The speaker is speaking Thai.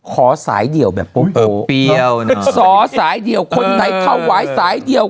ขอสายเดี่ยวแบบโป๊ะโป๊ะเออเปรี้ยวน่ะสอสายเดี่ยวคนไหนเทาไหว้สายเดี่ยว